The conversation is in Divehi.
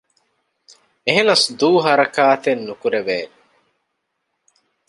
އެހެނަސް ދޫ ހަރަކާތެއްނުކުރޭ